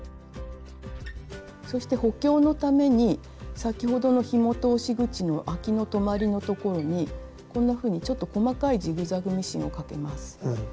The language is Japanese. そして補強のために先ほどのひも通し口のあきの止まりの所にこんなふうにちょっと細かいジグザグミシンをかけます。